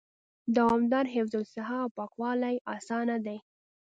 دوامدار حفظ الصحه او پاکوالي آسانه دي